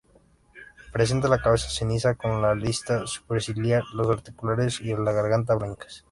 Presenta la cabeza ceniza con la lista superciliar, los auriculares y a garganta blancas.